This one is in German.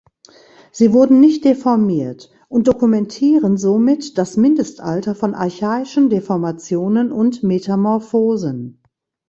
Sie wurden nicht deformiert und dokumentieren somit das Mindestalter von archaischen Deformationen und Metamorphosen.